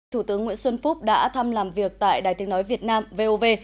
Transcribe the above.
thủ tướng nguyễn xuân phúc đã thăm làm việc tại đài tiếng nói việt nam vov